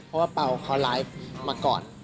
เพราะว่าเป่าเขาไลฟ์มาก่อน